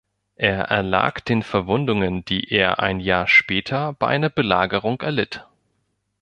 Er erlag den Verwundungen, die er ein Jahr später bei einer Belagerung erlitt.